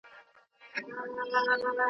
لویه جرګه څنګه د تاریخ پاڼو ته لار پیدا کوي؟